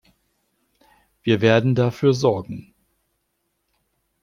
Wir werden dafür sorgen.